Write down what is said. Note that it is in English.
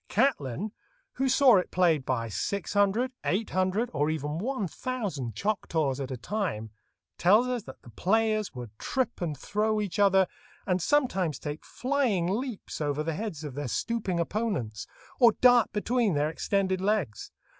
Catlin, who saw it played by six hundred, eight hundred, or even one thousand Choctaws at a time, tells us that the players would trip and throw each other, and sometimes take flying leaps over the heads of their stooping opponents, or dart between their extended legs.